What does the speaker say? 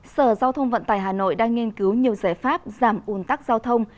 sở giao thông vận tải hà nội đang nghiên cứu nhiều giải pháp giảm ủn tắc giao thông